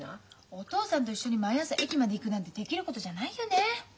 お父さんと一緒に毎朝駅まで行くなんてできることじゃないよね。